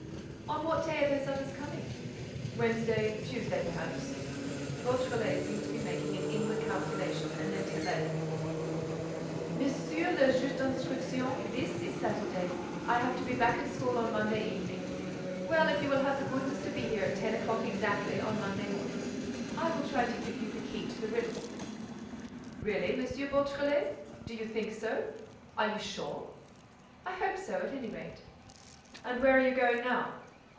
"On what day are those others coming?" "Wednesday—Tuesday perhaps—" Beautrelet seemed to be making an inward calculation and then declared: "Monsieur le Juge d'Instruction, this is Saturday. I have to be back at school on Monday evening. Well, if you will have the goodness to be here at ten o'clock exactly on Monday morning, I will try to give you the key to the riddle." "Really, M. Beautrelet—do you think so? Are you sure?" "I hope so, at any rate." "And where are you going now?"